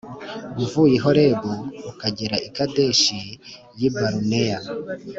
Uvuye i Horebu ukagera i Kadeshi y i Baruneya